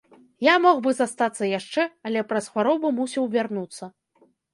Я мог бы застацца яшчэ, але праз хваробу мусіў вярнуцца.